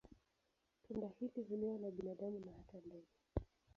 Tunda hili huliwa na binadamu na hata ndege.